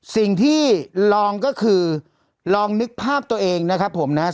สิ่งที่ลองก็คือลองนึกภาพตัวเองนะครับผมนะครับ